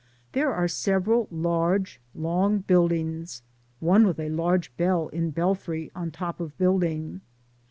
There are several large, long buildings, one with a large bell in belfry on top of building.